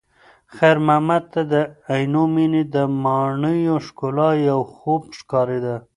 خیر محمد ته د عینومېنې د ماڼیو ښکلا یو خوب ښکارېده.